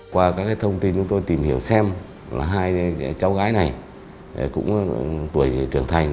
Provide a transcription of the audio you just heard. qua các thông tin chúng tôi tìm hiểu xem là hai cháu gái này cũng tuổi trưởng thành